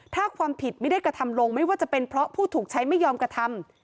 ถ้าความผิดไม่ได้กระทำลงไม่ว่าจะเป็นเพราะผู้ถูกใช้ไม่ยอมกระทำ